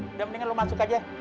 udah mendingan lu masuk aja